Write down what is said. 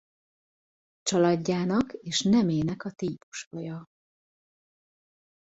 Családjának és nemének a típusfaja.